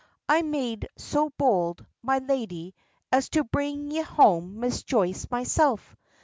"I made so bould, my lady, as to bring ye home Miss Joyce myself.